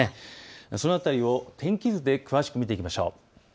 その辺りを天気図で詳しく見ていきましょう。